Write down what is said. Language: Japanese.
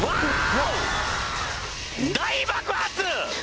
大爆発！